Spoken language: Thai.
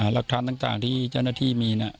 หลักฐานต่างที่เจ้าหน้าที่มี